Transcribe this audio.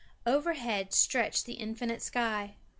Overhead stretched the infinite sky.